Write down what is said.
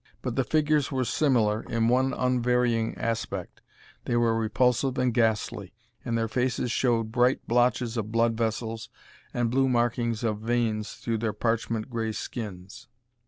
But the figures were similar in one unvarying respect: they were repulsive and ghastly, and their faces showed bright blotches of blood vessels and blue markings of veins through their parchment gray skins.